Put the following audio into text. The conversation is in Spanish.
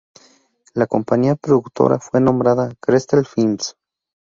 La compañía productora fue nombrada Kestrel Films.